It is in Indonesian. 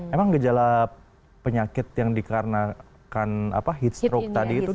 emang gejala penyakit yang dikarenakan heat stroke tadi itu